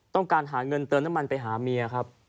ต้องการหาเงินเติมน้ำมันไปหาเมียครับ